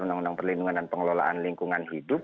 undang undang perlindungan dan pengelolaan lingkungan hidup